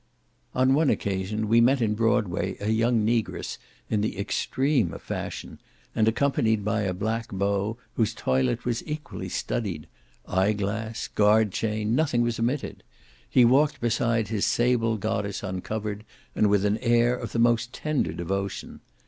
On one occasion we met in Broadway a young negress in the extreme of the fashion, and accompanied by a black beau, whose toilet was equally studied; eye glass, guard chain, nothing was omitted; he walked beside his sable goddess uncovered, and with an air of the most tender devotion.